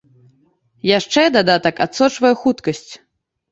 Яшчэ дадатак адсочвае хуткасць.